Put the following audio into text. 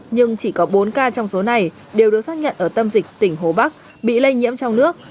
nhưng chỉ có bốn ca trong số này đều được xác nhận ở tâm dịch tỉnh hồ bắc bị lây nhiễm trong nước